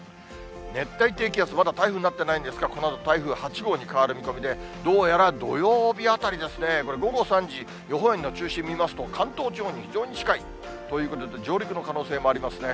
熱帯低気圧、まだ台風になってないんですが、このあと台風８号に変わる見込みで、どうやら土曜日あたりですね、これ午後３時、予報円の中心見ますと、関東地方に非常に近いということで、上陸の可能性もありますね。